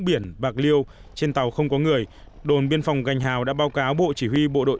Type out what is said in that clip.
biển bạc liêu trên tàu không có người đồn biên phòng gành hào đã báo cáo bộ chỉ huy bộ đội